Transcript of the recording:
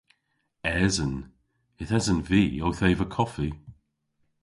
Esen. Yth esen vy owth eva koffi.